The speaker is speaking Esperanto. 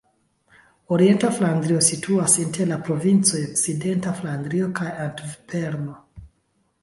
Orienta Flandrio situas inter la provincoj Okcidenta Flandrio kaj Antverpeno.